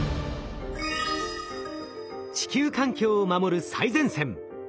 地球環境を守る最前線。